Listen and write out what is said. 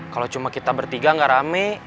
kalau cuma kita bertiga gak rame